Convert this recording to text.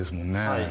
はい。